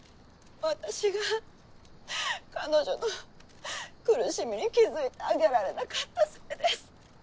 私が彼女の苦しみに気付いてあげられなかったせいです。